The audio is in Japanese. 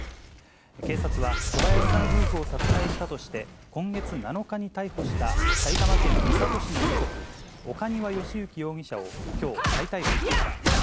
警察は、小林さん夫婦を殺害したとして、今月７日に逮捕した、埼玉県三郷市の無職、岡庭由征容疑者をきょう、再逮捕しました。